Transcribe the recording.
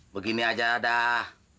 begini aja dah